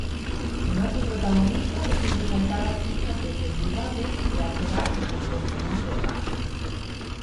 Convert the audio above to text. O noso protagonista decide saltar as cintas de seguridade, e achegarse perigosamente ao mar.